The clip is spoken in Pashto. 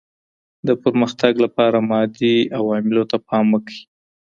د پرمختګ لپاره مادي عواملو ته پام وکړئ.